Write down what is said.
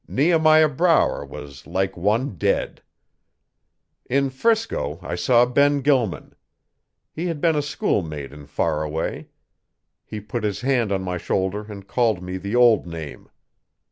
Nehemiah Brower was like one dead. In 'Frisco I saw Ben Gilman. He had been a school mate in Faraway. He put his hand on my shoulder and called me the old name.